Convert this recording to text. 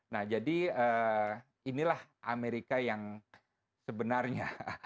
nah jadi inilah amerika yang sebenarnya